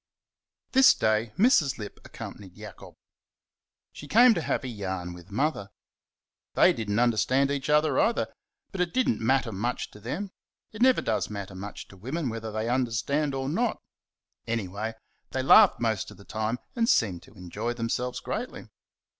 This day, Mrs. Lipp accompanied Jacob. She came to have a "yarn" with Mother. They did n't understand each other either; but it did n't matter much to them it never does matter much to women whether they understand or not; anyway, they laughed most of the time and seemed to enjoy themselves greatly.